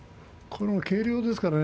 軽量ですからね